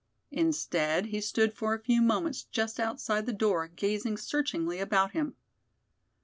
Instead he stood for a few moments just outside the door, gazing searchingly about him.